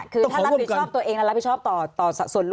คือถ้ารับผิดชอบตัวเองและรับผิดชอบต่อส่วนรวม